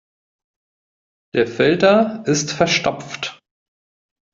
Der Filter ist verstopft.